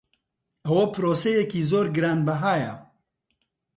ئەوە پرۆسەیەکی زۆر گرانبەهایە.